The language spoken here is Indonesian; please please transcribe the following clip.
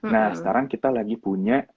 nah sekarang kita lagi punya